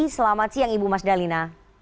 selamat siang ibu mas dalina